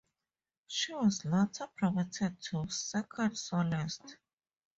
She was later promoted to second soloist.